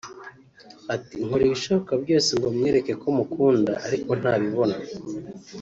Ati “Nkora ibishoboka byose ngo mwereke ko mukunda ariko ntabibona